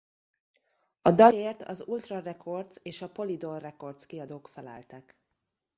A dalért az Ultra Records és a Polydor Records kiadók feleltek.